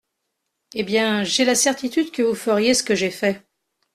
Eh bien, j’ai la certitude que vous feriez ce que j’ai fait.